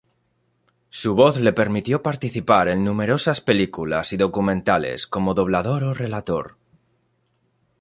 Su voz le permitió participar en numerosas películas y documentales como doblador o relator.